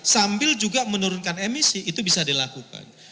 sambil juga menurunkan emisi itu bisa dilakukan